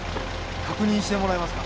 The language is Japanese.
確認してもらえますか？